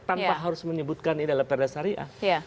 tanpa harus menyebutkan ini adalah perda syariah